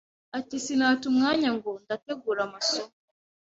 Ati sinata umwanya ngo ndategura amasomo